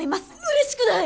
嬉しくない！